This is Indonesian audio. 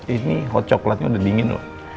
ini hot chocolate nya udah dingin wak